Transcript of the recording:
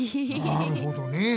なるほどねえ。